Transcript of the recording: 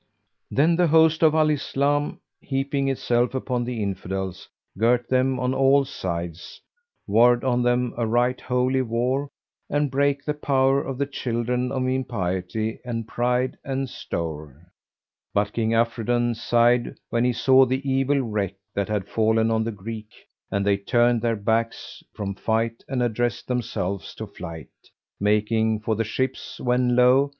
Then the host of Al Islam, heaping itself upon the Infidels, girt them on all sides, warred on them a right Holy War, and brake the power of the children of impiety and pride and stowre. But King Afridun sighed when he saw the evil wreak that had fallen on the Greek, and they turned their backs from fight and addressed themselves to flight, making for the ships, when lo!